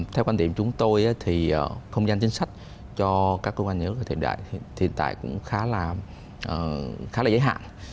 theo quan điểm chúng tôi thì không gianh chính sách cho các doanh nghiệp hiện tại cũng khá là giới hạn